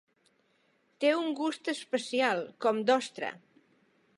Té un gust especial, com d'ostra.